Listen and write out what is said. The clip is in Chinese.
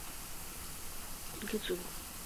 娆灰蝶族是灰蝶科线灰蝶亚科里的一个族。